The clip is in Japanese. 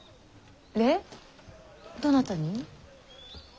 どなたに？